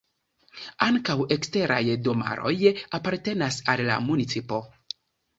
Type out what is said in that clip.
Ankaŭ eksteraj domaroj apartenas al la municipo.